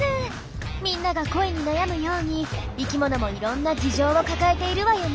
みんなが恋に悩むように生きものもいろんな事情を抱えているわよね。